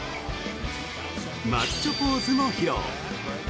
マッチョポーズも披露。